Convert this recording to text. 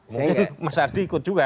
mungkin mas ardi ikut juga